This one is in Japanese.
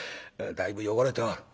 だいぶ汚れておる。